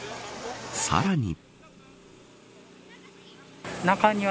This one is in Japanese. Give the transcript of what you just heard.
さらに。